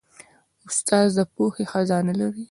استاد د پوهې خزانه لري.